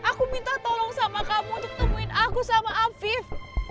aku minta tolong sama kamu untuk temuin aku sama afif